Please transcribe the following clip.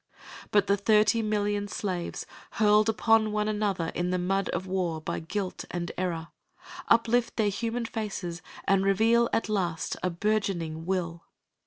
But the thirty million slaves, hurled upon one another in the mud of war by guilt and error, uplift their human faces and reveal at last a bourgeoning Will.